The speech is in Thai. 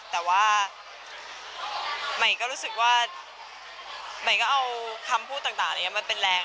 แต่ว่าหมายก็รู้สึกว่าหมายก็เอาคำพูดต่างอะไรอย่างนี้มาเป็นแรง